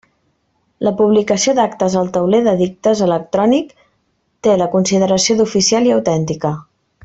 La publicació d'actes al Tauler d'edictes electrònic té la consideració d'oficial i autèntica.